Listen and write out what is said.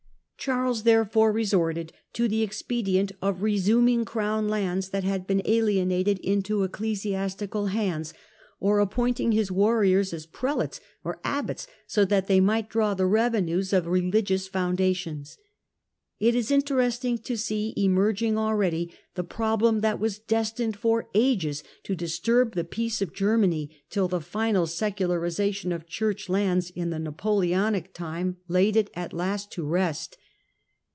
Charles therefore re sorted to the expedient of resuming Crown lands that had been alienated into ecclesiastical hands, or appoint ing his warriors as prelates or abbots so that they might draw the revenues of religious foundations. It is interesting to see emerging already the problem that was destined for ages to disturb the peace of Germany, till the final secularisation of Church lands in the Napoleonic time laid it at last to rest.